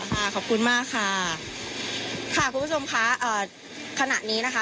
ขอบคุณมากค่ะค่ะคุณผู้ชมค่ะอ่าขณะนี้นะคะ